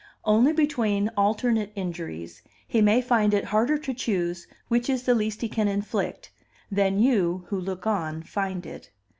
Only between alternate injuries, he may find it harder to choose which is the least he can inflict, than you, who look on, find it.